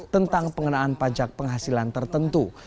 tentang pengenaan pajak penghasilan tertentu